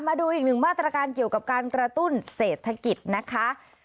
มาดูอีกหนึ่งมาตรการเกี่ยวกับการกระตุ้นเศรษฐกิจนะคะ